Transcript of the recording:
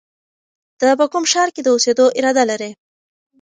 ته په کوم ښار کې د اوسېدو اراده لرې؟